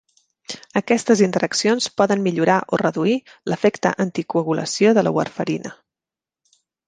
Aquestes interaccions poden millorar o reduir l'efecte anticoagulació de la warfarina.